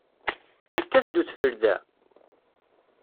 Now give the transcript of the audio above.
Yekkat-d udfel da?